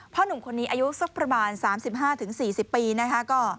พ่อหนุ่มคนนี้อายุสักประมาณสามสิบห้าถึงสี่สิบปีนะคะก็